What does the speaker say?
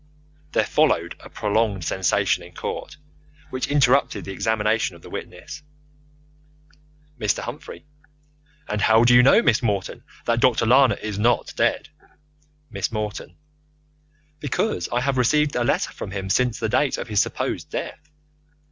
There followed a prolonged sensation in court, which interrupted the examination of the witness. Mr. Humphrey: And how do you know, Miss Morton, that Dr. Lana is not dead? Miss Morton: Because I have received a letter from him since the date of his supposed death.